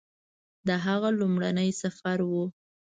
د هغه لومړنی سفر و